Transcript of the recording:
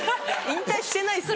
引退してないです。